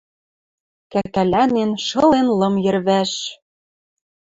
Кӓкӓлӓнен, шылен лым йӹрвӓш.